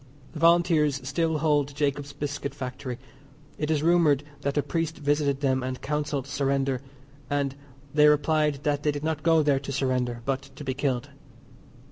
The Volunteers still hold Jacob's Biscuit Factory. It is rumoured that a priest visited them and counselled surrender, and they replied that they did not go there to surrender but to be killed.